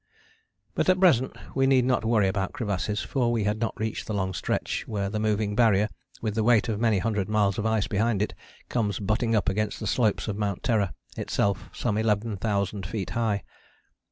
But at present we need not worry about crevasses; for we had not reached the long stretch where the moving Barrier, with the weight of many hundred miles of ice behind it, comes butting up against the slopes of Mount Terror, itself some eleven thousand feet high.